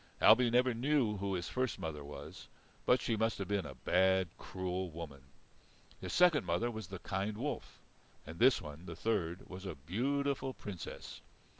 Ailbe never knew who his first mother was, but she must have been a bad, cruel woman. His second mother was the kind wolf. And this one, the third, was a beautiful Princess.